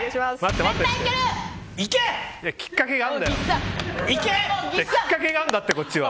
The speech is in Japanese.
きっかけがあるんだよ。